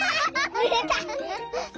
ぬれた！